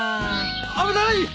危ない！